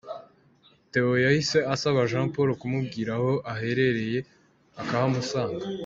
Theo yahise asaba Jean Paul kumubwira aho aherereye akahamusanga.